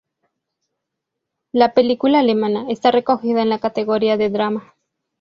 La película alemana está recogida en la categoría de drama.